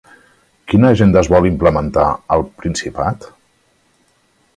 Quina agenda es vol implementar al Principat?